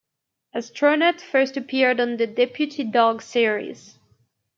Astronut first appeared on the "Deputy Dawg" series.